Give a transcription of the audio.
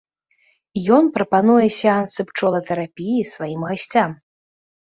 Ён прапануе сеансы пчолатэрапіі сваім гасцям.